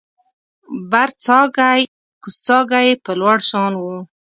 برڅاګی او کوزڅاګی یې په لوړ شان و